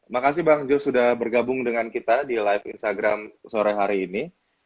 makasih bang jos sudah bergabung dengan kita di live instagram sore hari ini